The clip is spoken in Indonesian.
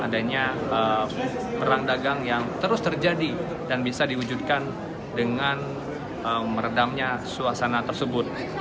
adanya perang dagang yang terus terjadi dan bisa diwujudkan dengan meredamnya suasana tersebut